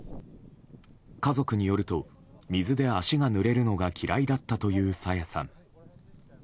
家族によると水で足がぬれるのが嫌いだったという朝芽さん。